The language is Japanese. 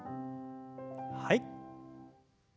はい。